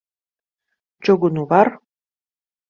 Čugunu var?